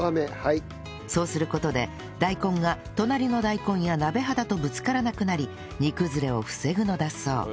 そうする事で大根が隣の大根や鍋肌とぶつからなくなり煮崩れを防ぐのだそう